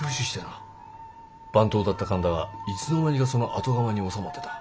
番頭だった神田はいつの間にかその後釜におさまってた。